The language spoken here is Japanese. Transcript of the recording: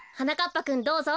ぱくんどうぞ。